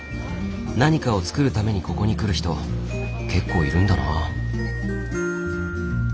何かを作るためにここに来る人結構いるんだな。